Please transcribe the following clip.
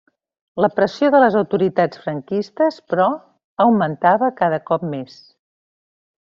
La pressió de les autoritats franquistes, però, augmentava cada cop més.